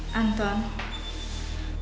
ibu aku sudah selesai